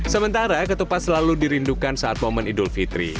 sementara ketupat selalu dirindukan saat momen idul fitri